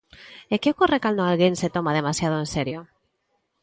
E que ocorre cando alguén se toma demasiado en serio?